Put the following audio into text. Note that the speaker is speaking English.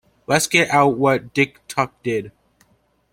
Let's get out what Dick Tuck did!